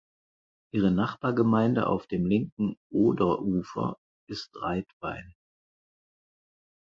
Ihre Nachbargemeinde auf dem linken Oderufer ist Reitwein.